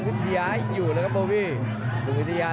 ต้องใช้ศรีราของตัวเองให้เป็นฝ่าย